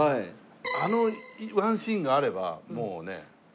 あのワンシーンがあればもうねしっかりと。